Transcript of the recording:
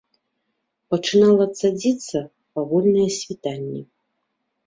Пачынала цадзіцца павольнае світанне.